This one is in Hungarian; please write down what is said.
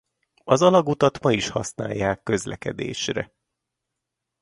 Az alagutat ma is használják közlekedésre.